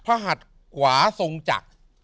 หัดขวาทรงจักร